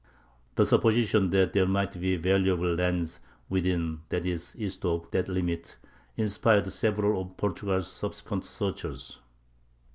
The supposition that there might be valuable lands within, that is, east of, that limit, inspired several of Portugal's subsequent searchers.